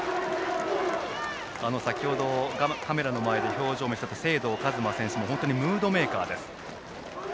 先程、カメラの前で表情を見せていた清藤和真選手もムードメーカーです。